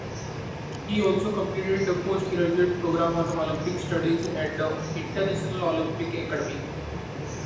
He also completed the postgraduate programme on Olympic Studies at the International Olympic Academy.